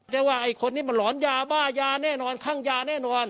ได้ว่าไอ้คนนี้มันหลอนยาบ้ายาแน่นอนข้างยาแน่นอน